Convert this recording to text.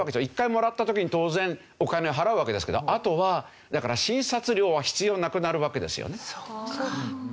一回もらった時に当然お金を払うわけですけどあとはだから診察料は必要なくなるわけですよね。